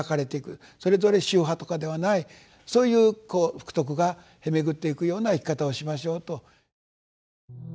それぞれ宗派とかではないそういう福徳が経巡っていくような生き方をしましょうと。